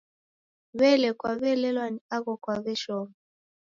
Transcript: W'elee, kwaw'eelelwa ni agho kwaw'eshoma?